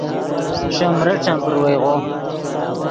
ݰے مریݯن پروئیغو